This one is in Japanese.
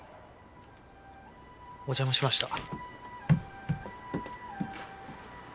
お邪魔しました。